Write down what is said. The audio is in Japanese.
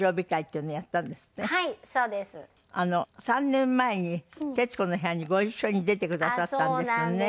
３年前に『徹子の部屋』にご一緒に出てくださったんですよね。